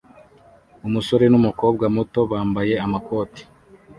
Umusore n'umukobwa muto bambaye amakoti